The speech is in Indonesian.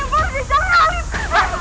gue gak ada di playa furni